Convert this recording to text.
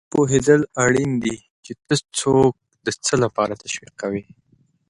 په دې پوهېدل اړین دي چې ته څوک د څه لپاره تشویقوې.